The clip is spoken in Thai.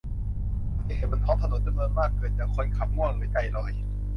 อุบัติเหตุบนท้องถนนจำนวนมากเกิดจากคนขับง่วงหรือใจลอย